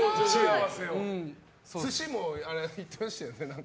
寿司も言ってましたよね？